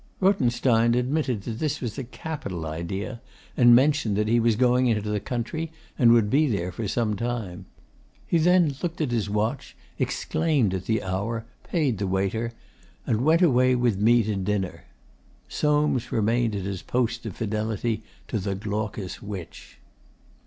Rothenstein admitted that this was a capital idea, and mentioned that he was going into the country and would be there for some time. He then looked at his watch, exclaimed at the hour, paid the waiter, and went away with me to dinner. Soames remained at his post of fidelity to the glaucous witch.